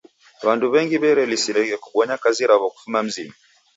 W'andu w'engi w'erelisireghe kubonya kazi raw'o kufuma mzinyi.